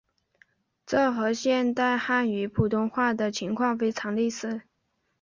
这和现代汉语普通话的情况非常类似。